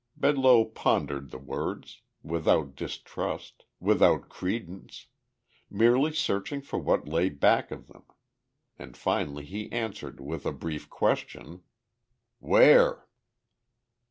Bedloe pondered the words, without distrust, without credence, merely searching for what lay back of them. And finally he answered with a brief question: "Where?"